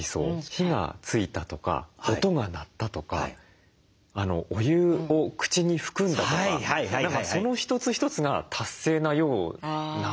火がついたとか音が鳴ったとかお湯を口に含んだとかその一つ一つが達成なような。